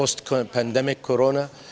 setelah pandemi corona